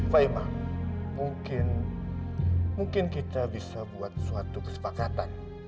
pak imam mungkin kita bisa buat suatu kesepakatan